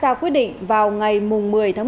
và đã đưa ra quyết định vào ngày tám tháng năm